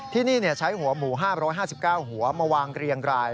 ที่นี่ใช้หัวหมู๕๕๙หัวมาวางเรียงราย